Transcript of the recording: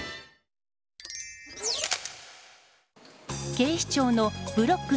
警視庁の「ブロック！